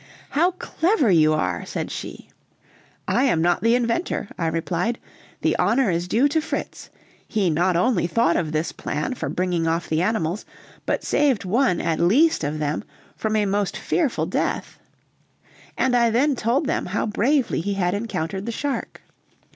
"How clever you are!" said she. "I am not the inventor," I replied; "the honor is due to Fritz. He not only thought of this plan for bringing off the animals, but saved one, at least, of them from a most fearful death." And I then told them how bravely he had encountered the shark.